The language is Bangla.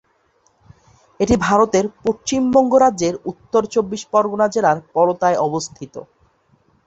এটি ভারতের পশ্চিমবঙ্গ রাজ্যের উত্তর চব্বিশ পরগণা জেলার পলতায় অবস্থিত।